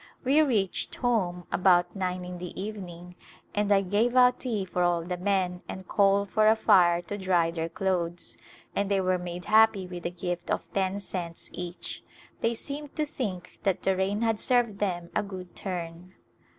We reached home about nine in the evening and I gave out tea for all the men and coal for a fire to dry their clothes, and they were made happy with a gift of ten cents each. They seemed to think that the rain had served them a good turn.